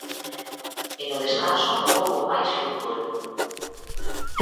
E no descanso non houbo máis fútbol.